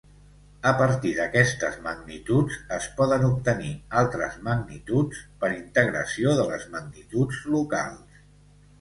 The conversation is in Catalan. A partir d'aquestes magnituds, es poden obtenir altres magnituds per integració de les magnituds locals.